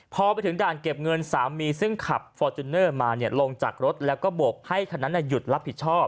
พอไปถึงด่านเก็บเงินสามีซึ่งขับฟอร์จูเนอร์มาลงจากรถแล้วก็บกให้คันนั้นหยุดรับผิดชอบ